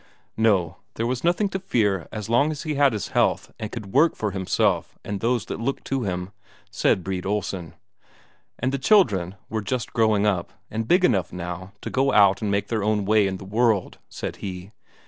No, there was nothing to fear as long as he had his health and could work for himself and those that looked to him, said Brede Olsen. And the children were just growing up, and big enough now to go out and make their own way in the world, said he.